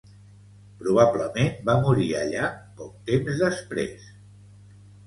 Probablement va morir allà poc temps després.